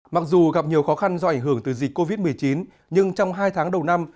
mặc dù gặp nhiều khó khăn do ảnh hưởng từ dịch covid một mươi chín nhưng trong hai tháng đầu năm